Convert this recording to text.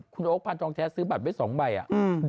คุณโอ๊คพันธองแท้ซื้อบัตรไว้สองใบอ่ะ